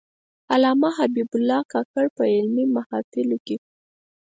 علامه حبیب الله کاکړ په علمي محافلو کې.